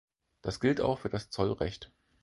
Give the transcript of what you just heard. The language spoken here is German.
Das gilt auch für das Zollrecht.